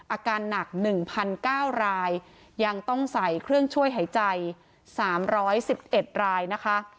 อาการหนัก๑๙รายยังต้องใส่เครื่องช่วยหายใจ๓๑๑รายนะคะ